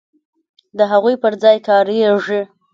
د هغو پر ځای کاریږي.